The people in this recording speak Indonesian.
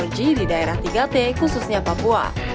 empat g di daerah tiga t khususnya papua